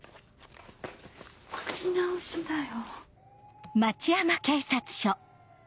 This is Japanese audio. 書き直しだよ。